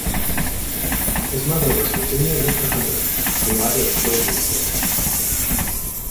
His mother was Virginia Ricker Hunter, a writer of children's books.